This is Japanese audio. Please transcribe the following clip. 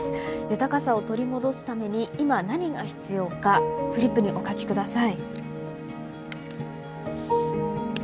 豊かさを取り戻すために今何が必要かフリップにお書きください。